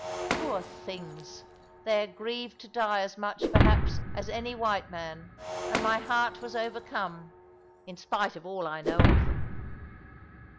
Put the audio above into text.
Poor things! they are grieved to die as much, perhaps, as any white man; and my heart was overcome, in spite of all I know of them.